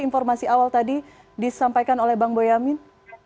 informasi awal tadi disampaikan oleh bang boyamin